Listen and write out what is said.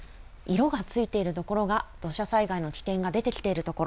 色がついている所が土砂災害の危険が出てきている所。